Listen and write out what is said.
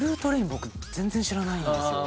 僕全然知らないんですよ